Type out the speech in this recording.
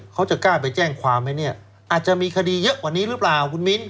เขาจะกล้าไปแจ้งความไหมเนี่ยอาจจะมีคดีเยอะกว่านี้หรือเปล่าคุณมิ้น